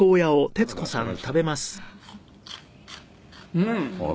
「うん。